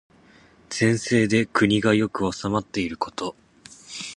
善政で国が良く治まっていること。